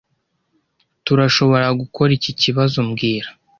Turashoboragukora iki kibazo mbwira